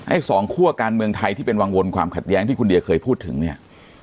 สองคั่วการเมืองไทยที่เป็นวังวลความขัดแย้งที่คุณเดียเคยพูดถึงเนี่ย